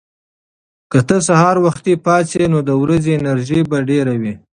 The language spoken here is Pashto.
که ته سهار وختي پاڅې، نو د ورځې انرژي به ډېره وي.